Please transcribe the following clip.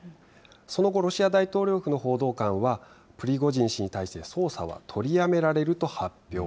その後、ロシア大統領府の報道官は、プリゴジン氏に対する捜査は取りやめられると発表。